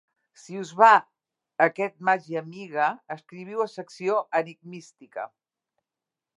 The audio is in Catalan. Si us va aquest màgia amiga escriviu a "Secció Enigmística.